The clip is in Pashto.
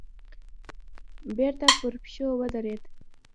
بېرته پر پښو ودرېد.